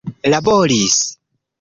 laboris